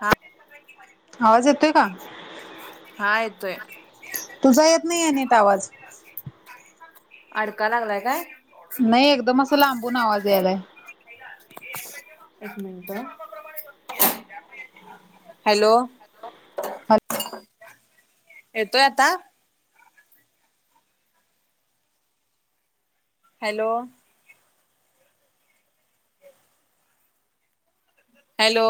हा आवाज येतोय का? हायतोय. तुझा येत नाही अनिट आवाज अडका लागलाय का? नाही एकदम असं लांबून आवाज यायलाय. एक मिनट हॅलो येतोय आता हॅलो हॅलो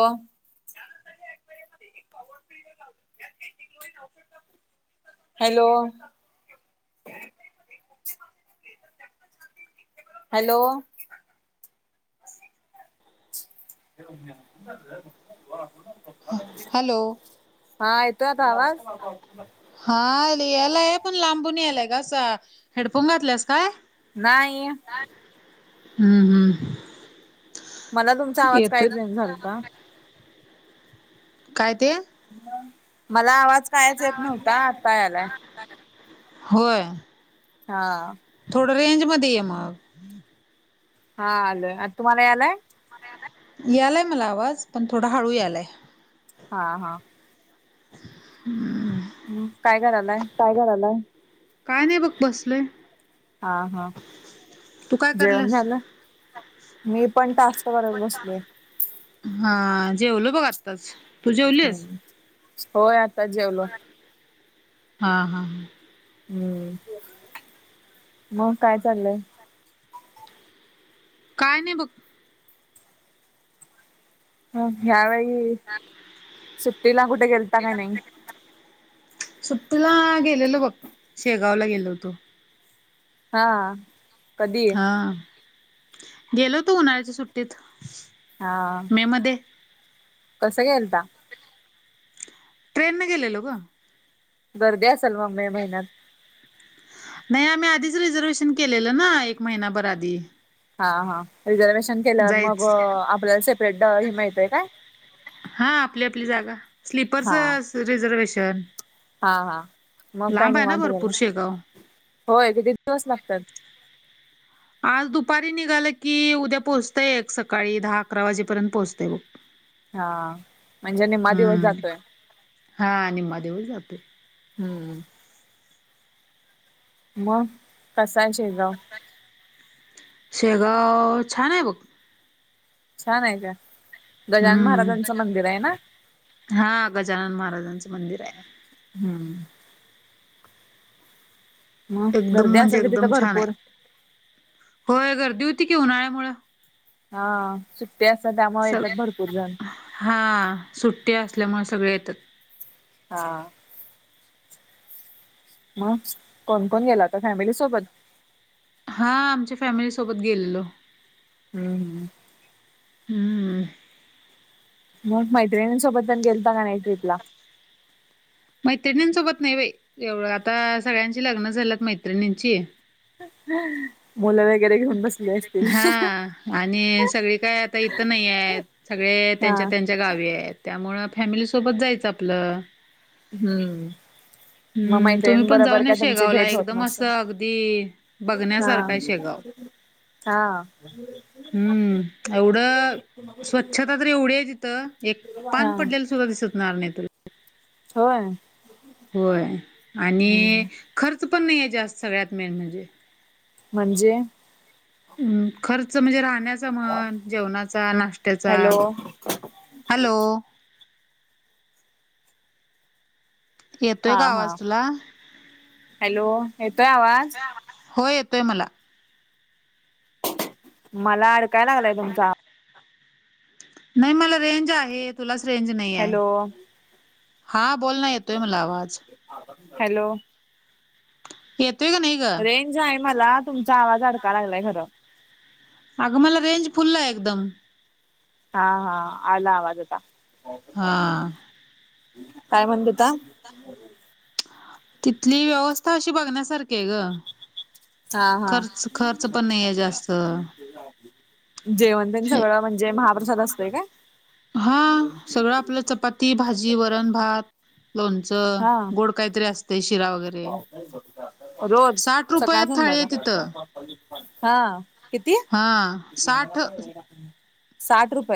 हॅलो हॅलो ते हॅल- हॅलो हा येतो आता आवाज हा यायलाय पण लांबून यालाय कासा हेडफोन घातलास काय नाही हम्म हम्म मला तुमचा आवाज येतोय काहीचेन झालता. का ते? मला आवाज कायच येत नव्हता आता यालाय होय. हा थोडं रेंज मध्ये आहे मग हा आलोय आ तुम्हाला यालाय यालाय मला आवाज पण थोडा हळू यालाय हा हा काय करायलाय टायगर आलाय काय नाही बघ बसलय हा हा तू काय जेवण करल्यास? झालं मी पण टास्क करत बसलोय हा जेवल बघ आत्ताच तू जेवलीस हम्म होय आता जेवल हा हा ह हम्म मग काय चाललंय काय नाही बघ ह ह्यावेळी सुट्टीला कुठे गेलता काय नाही सुट्टीला गेलेल बघ शेगावला गेलो होतो हा कधी हा गेलो तू उन्हाळ्याच्या सुट्टीत हा मेमध्येध्ये कसं केलता ट्रेन न गेलेलो ग गर्दी असेल मग मे महिन्यात नाही आम्ही आधीच रिझर्वेशन केलेलं ना एक महिनाभर आधी हा हा रिझर्वेशन केल्यावर मग जायच आपल्याला सेपरेट ह माहितय काय हा आपली आपली जागा हा स्लीपरच रिझर्वेशन हा हा मग काही लांब नाही आहे ना मात गला भरपूर शेगाव होय किती दिवस लागतात आज दुपारी निघालं की उद्या पोहोचतय एक सकाळी दहा अकरा वाजेपर्यंत पोहोचतय बघ हा म्हणजे निम्मा दिवस हम्म जातोय हा निम्मा देऊळी जातो हम्म मम कसा आहे शेगाव शेगाव छान आहे बघ छान आहे त्या गजान हम्म महाराजांचं मंदिर आहे ना हा गजानन महाराजांचं मंदिर आहे हम्म मग एकदम गर्दी म्हणजे असेल की तिथं एकदम छान आहे भरपूर होय गर्दी होती की उन्हाळ्या मु हा सुट्टे असतात त्यामा सग येतात भरपूर जण हा सुट्टी असल्यामुळे सगळे येतात हा मग कोण कोण गेला होता फॅमिली सोबत हा आमच्या फॅमिलीसोबत गेलेलो हम्म हम्म हम्म नग मैत्रिणी सोबत पण गेलता का नाही ट्रिपला मैत्रिणींसोबत नाही बाई एवढं आता सगळ्यांची लग्न झालंत मैत्रिणींची हम्म मुलं वगैरे बसले अस हा आणि सगळी काय आता इथं नाहीय सगळे हा. त्यांच्या त्यांच्या गावी त्यामुळे फॅमिली सोबत जायचं आपलं हम्म! मग हम्म तुम्ही मैत्रिणी पण बरोबर जाऊन या काय तुमची शेगावला भेट होत एकदम असं नसन. अगदी हा! बघण्यासारखा आहे शेगाव हा. हम्म, एवढ स्वच्छता तर एवढी आहे तिथं एक पान हा पडलेल दिसणार नाही. होय. होय, आणि हम्म. खर्च पण नाही आहे जास्त सगळ्यात मेन म्हणजे. म्हणजे हम्म! खर्च म्हणजे राहण्याचा म्हण, जेवणाचा, नाश्त्याचा. हॅलो हॅलो हा येतोय का हा, आवाज तुला हॅलो येतोय आवाज? होय, येतोय मला. मला अडकायला लागलाय तुमचा आ नाही मला रेंज आहे. तुलाच रेंज नाहीये. हॅलो हा, बोलना येतोय मला आवाज. हॅलो! येतोय का नाही? ग रेंज आहे मला तुमचा आवाज अडका लागलाय खरं. अगं मला रेंज फुल आहे एकदम. हा हा आला आवाज आता. हा काय म्हणत होता? तिथली व्यवस्था अशी बघण्यासारखी आहे ग. हा, हा. खर्च खर्च पण नाहीये जास्त जेवण तेन सगळं म्हणजे महाप्रसाद असतेय काय? हा सगळं आपलं चपाती, भाजी, वरण, भात लोणचं, हा गोड काहीतरी असते शिरा वगैरे रोज साठ सकाळ, रुपयात थाळी आहे संध्याकाळ तिथं हा किती? हा साठ. साठ रुपये?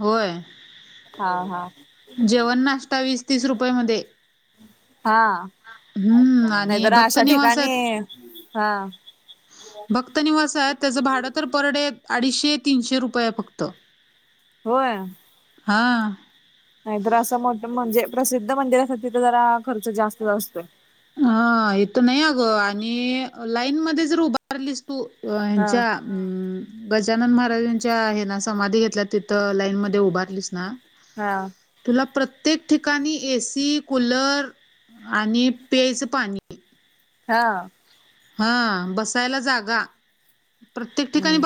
होय. हा, हा. जेवण, नाश्ता वीस-तीस रुपये मध्ये. हा, हम्म आणि नाहीतर भक्त अशा निवास ठिकाणी आहेत हा फक्त निवास आहेत. त्याचं भाडं तर पर डे अडीचशे तीनशे रुपये फक्त. होय. हां. नाही तर असं मोठं म्हणजे प्रसिद्ध मंदिरासाठी तर जरा खर्च जास्त असतोय. हा हे तर नाही अगं आणि लाईन मध्ये जर उभा राहिलीच तू हा ह्यांच्या हम्! गजानन महाराजांच्या आहे ना समाधी घेतल्या तिथं लाईन मध्ये उभारलीस ना. हा. तुला प्रत्येक ठिकाणी ए सी, कूलर आणि प्यायचं पाणी. हा. हा बसायला जागा. हम्म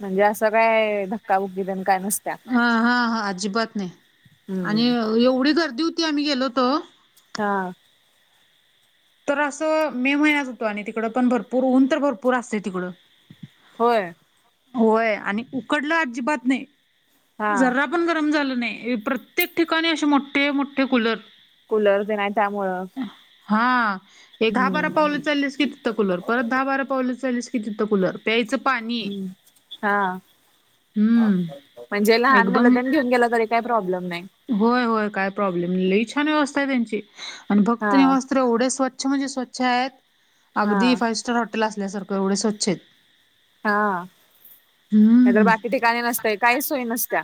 म्हणजे असं काय धक्काबुक्की तेन काय नसत्या. हा हा हा, अजिबात नाही आणि हम्म एवढी गर्दी होती आम्ही गेलो होतो. हा. तर असं मे महिन्यात होतो आणि तिकडं पण भरपूर ऊन तर भरपूर असते तिकडं. होय. होय आणि उकडलं अजिबात हा नाही जरा पण गरम झालं नाही. प्रत्येक ठिकाणी असे मोठे मोठे कुलर कुलर ते न हाय त्यामुळं. हा हे दहा हम्म बारा पावलं चललीस कि तिथं कुलर, परत दहा बारा पावलं चललीस कि तिथं कुलर हां. हम्म म्हणजे लहान मुलं एकदम तेन घेऊन गेला तरी, काय प्रॉब्लेम नाही. होय होय काय प्रॉब्लेम नाही, लई छान व्यवस्था हाय त्यांची आणि हा भक्त निवास तर एवढे स्वच्छ म्हणजे स्वच्छ हाय, हा अगदी फाईव स्टार हॉटेल आसल्यासारखं एवढे स्वच्छ हाय. हा नाही तर हम्म बाकी ठिकाणी नसतय, काहीच सोय नसत्या.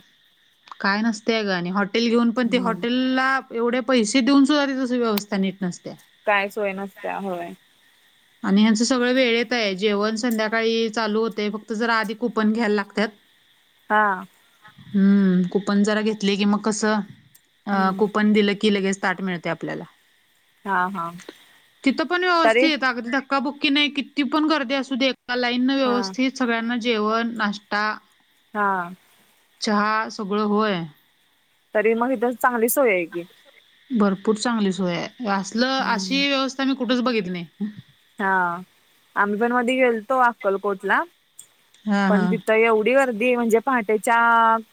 काय नसतय आ ग आणि? हॉटेल घेऊन पण ते हम्म हॉटेल ला एवढे पैसे देऊन सुद्धा तीत व्यवस्था नीट नसतिया. काय सोय नसतिया होय. आणि ह्यांचं सगळं वेळेत हाय, जेवण संध्याकाळी चालू होते. फक्त जरा आधी कुपन घ्यायला लागत्यात. हा. हम्म कूपन जरा घेतली की मग कसं हां हम्म कूपन दिलं की लगेच ताट मिळतय आपल्याला हा हा तिथं पण तरी व्यवस्थित अगदी धक्काबुक्की नाही, किती पण गर्दी असू देत. एका लाईंनन हा व्यवस्थित सगळ्यांना जेवण, नाश्टा हा. चहा सगळं होय. तरी मग इथ चांगली सोय हाय की. भरपूर चांगली सोय हाय. आसल हम्म अशी व्यवस्था मी कुठेच बघितली नाही. हा. आम्ही पण मधी गेलतो अक्कलकोट ला. हा पण हा तिथं एवढी गर्दी म्हणजे, पहाटेच्या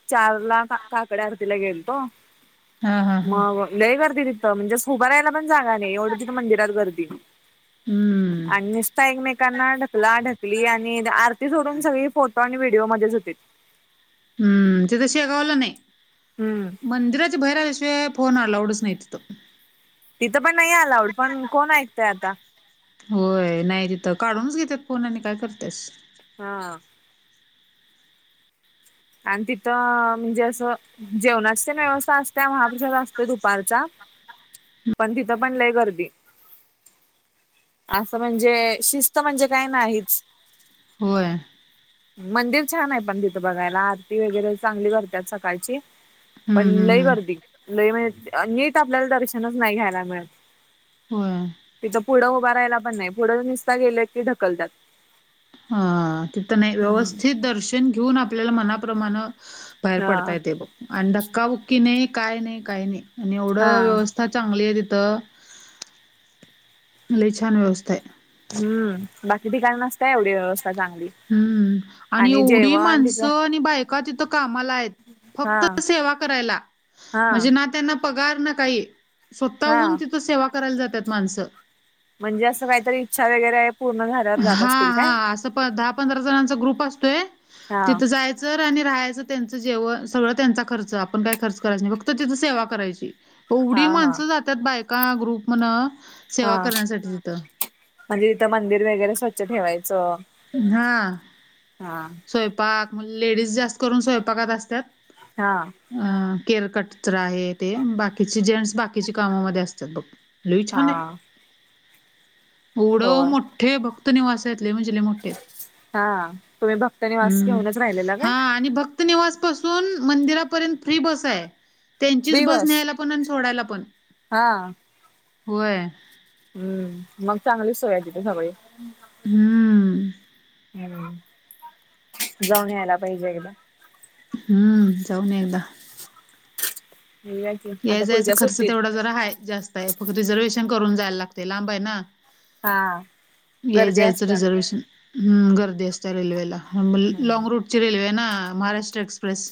चारला का काकड आरती आरतीला गेलतो. हा हा हा मग लई गर्दी तिथं म्हणजे आस उभरहायला पण जागा नाही, एवढं तीथ तर मंदिरात गर्दी. हम्म. आणि नुसता एकमेकांना ढकला ढकली आणि आरती सोडून सगळी फोटो आणि व्हिडिओमध्येच होतीत. हम्म तिथं शेगावला नाही. हम्म. मंदिराच्या बाहेर आल्याशिवाय फोन अलाउडच नाही तिथ. तिथं पण नाही अलाऊड, पण कोण ऐकतय आता? होय नाही तिथं काढूनच घेत्यात फोन आणि काय करत्यास हा. आणि तिथं अ म्हणजे आस जेवणाची तेन व्यवस्था असतिया, महाप्रसाद असतोय दुपारचा पण तिथं पण लय गर्दी आसं म्हणजे शिस्त म्हणजे काय नाहीच व्हय. मंदिर छान आहे पण तिथं बघायला, आरती वगैरे चांगली करत्यात सकाळची पण हम्म लई हम्म हम्म गर्दी लय म्हणजे, नीट आपल्याला दर्शनच नाही घ्यायला मिळत. होय. तिथं पुढं उभा राहायला पन नाही, पुढं नुसता गेल की ढकलतात हा तिथं नाही व्यवस्थित दर्शन घेऊन आपल्याला मनाप्रमाण बाहेर हा पडता येते बघ. आणि धक्काबुक्की नाही काय नाही, काही नाही आणि हा एवढं व्यवस्थ स्था चांगली हाय तिथं लई छान व्यवस्था हाय. हम् बाकी ठिकानी नसत्या एवढी व्यव हम्म आणि एवढी जेवण तिथं माणसं आणि बाय! का तीथ कामाला हाएत, हा फक्त सेवा करायला हा म्हणजे ना त्यांना पगार ना काही हा स्वतःहून तिथ सेवा करायला जातात माणसं. म्हणजे असं काहीतरी इच्छा वगैरे पूर्ण झाल्यावर जात हा असतील काय? हा असं प दहा पंधरा जनांचा ग्रुप असतोय हा तिथ जायाय आणि राहायचं त्यांच जेवण सगळं त्यांचा खर्च आपण काय खर्च करायच नाही फक्त तिथ सेवा करायची एवढी हा हा माणसं जातात बायका ग्रुप म्हण हा सेवा करण्यासाठी जथं म्हणजे इथं मंदिर वगैरे स्वच्छ ठेवायचं हा हा स्वयंपाक म लेडीज जास्त करून स्वयंपाकात असतात. हा. अं केअर कटच आहे ते बाकीचे जेंट्स बाकीच्या कामामध्ये असतात बघ. लई हा छान आहे. हो एवढं मोठे भक्त निवास आहेत म्हणजे लई म्हणजे लई मोठे. हा तुम्ही भक्त निवास हम्म घेऊनच राहिलेला काय? हा आणि भक्त निवास पासून मंदिरापर्यंत फ्री बस आहे त्यांचीच बस दिवस न्यायला पण सोडायला पण. हा. व्हय. हम्म मग चांगली सोय तिथे सगळी. हम्म. हम्म जाऊन यायला पाहिजे एकदा. हम्म जाऊन या एकदा. ह या जायचा खर्च तेवढा जरा ह जास्त आहे फक्त रिझर्वेहेशन करून जायला लागते लांब आहे ना हा याय गर्दी जायचं असत्या रिझर्वेशन गर्दी असते रेल्वेला हम्म लँग रूटची रेल्वे आहे ना महाराष्ट्र एक्सप्रेस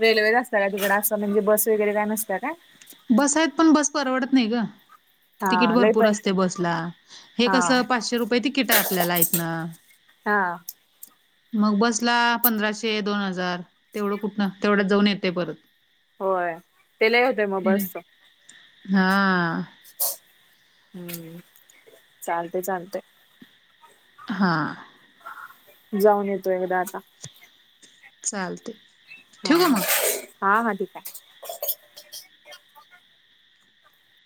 रेल्वेच असतता का तिकड असं म्हणजे बस वगैरे काय नसत का बस आहेत पण बस परवडत नाही ग. तिकीट हा लय भरपूर पै असते बसला हे हा कसं पाचशे रुपये तिकीट आहे आपल्याला इथन. हा‌. मग बसला पंधराशे दोन हजार तेवढं कुठन तेवढं जाऊन येतोय परत. होय ते लई होते मग बसच. हा. हम्म चालतय चालतय. हां. जाऊन येतो एकदा आता. चालतंय. हा हा ठीक आहे.